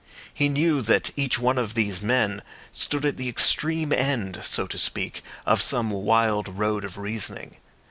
He knew that each one of these men stood at the extreme end, so to speak, of some wild road of reasoning.